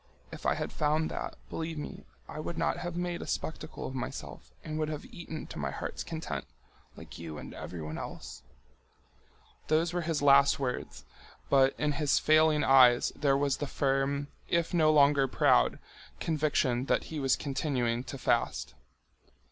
If had found that, believe me, I would not have made a spectacle of myself and would have eaten to my heart's content, like you and everyone else." Those were his last words, but in his failing eyes there was the firm, if no longer proud, conviction that he was continuing to fast.